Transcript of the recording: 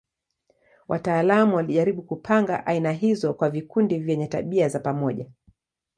Wataalamu walijaribu kupanga aina hizo kwa vikundi vyenye tabia za pamoja.